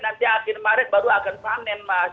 nanti akhir maret baru akan panen mas